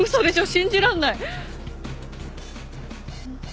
信じらんない。